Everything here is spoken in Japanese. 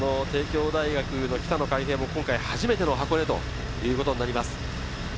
帝京大学の北野開平も今回初めての箱根ということになります。